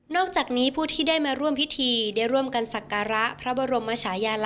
นอกจากนี้ผู้ที่ด้วยมาร่วมพิธีได้รวมกันศักราะพระบโรมมชายะลักษณ์